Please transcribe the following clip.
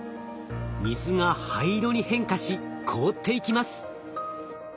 水が灰色に変化し凍っていきます。